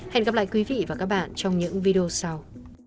hẹn gặp lại quý vị và các bạn trong những video sau